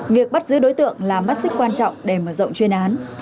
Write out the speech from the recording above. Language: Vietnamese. việc bắt giữ đối tượng là mắt xích quan trọng để mở rộng chuyên án